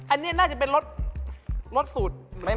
อันนี้น่าจะเป็นรสสูตร